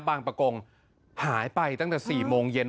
บางประกงหายไปตั้งแต่๔โมงเย็น